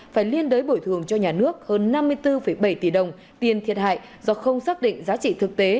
phải liên đối bồi thường cho nhà nước hơn năm mươi bốn bảy tỷ đồng tiền thiệt hại do không xác định giá trị thực tế